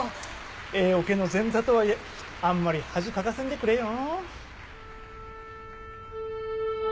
Ａオケの前座とはいえあんまり恥かかせんでくれよ。